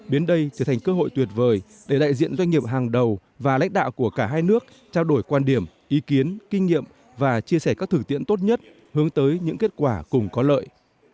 biến đây trở thành cơ hội tuyệt vời để đại diện doanh nghiệp hàng đầu và lãnh đạo của cả hai nước trao đổi quan điểm ý kiến kinh nghiệm và chia sẻ các thử tiện tốt nhất hướng tới những kết quả cùng có lợi